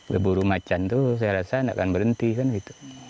berburu macan itu saya rasa tidak akan berhenti kan gitu